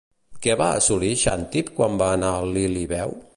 Què va assolir Xàntip quan va anar a Lilibeu?